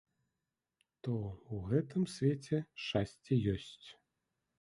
То ў гэтым свеце шчасце есць.